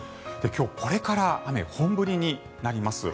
今日、これから雨、本降りになります。